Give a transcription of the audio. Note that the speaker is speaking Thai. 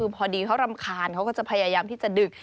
พอดีเขารำคาญเขาก็จะพยายามที่จะดึก